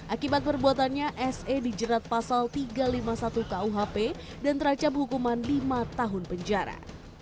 akibat perbuatannya se dijerat pasal tiga ratus lima puluh satu kuhp dan terancam hukuman lima tahun penjara